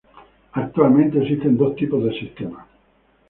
Actualmente, existen dos tipos de sistemas.